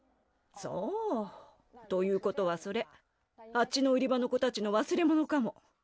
そう。ということはそれあっちの売り場の子たちのわすれものかも。